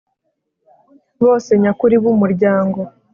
bose nyakuri b umuryango